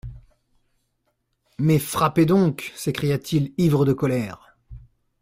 Mais frappez donc ! s'écria-t-il, ivre de colère.